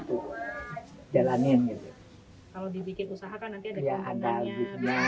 kalau dibikin usaha kan nanti ada keadaannya